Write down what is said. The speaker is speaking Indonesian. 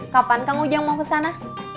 kapan kang ujang mau kesana